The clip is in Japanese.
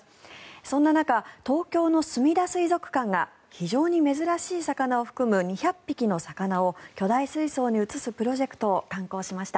そんな中、東京のすみだ水族館が非常に珍しい魚を含む２００匹の魚を巨大水槽に移すプロジェクトを敢行しました。